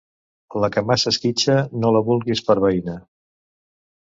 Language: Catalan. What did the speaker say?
La que massa esquitxa no la vulguis per veïna.